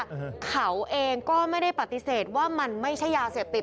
อืมเขาเองก็ไม่ได้ปฏิเสธว่ามันไม่ใช่ยาเสพติด